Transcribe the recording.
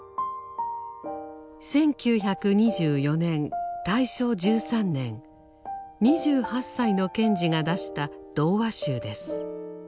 １９２４年大正１３年２８歳の賢治が出した童話集です。